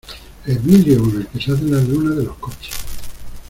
el vidrio con el que se hacen las lunas de los coches